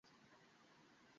কী করলে এটা?